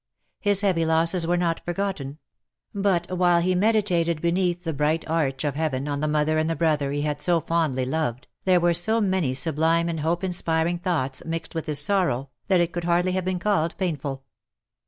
His heavy losses were not forgotten ; but while he meditated beneath the bright arch of heaven on the mother and the brother he had so fondly loved, there were so many sublime * Wordsworth. OF MICHAEL ARMSTRONG. 305 and hope inspiring thoughts mixed with his sorrow, that it could hardly have been called painful.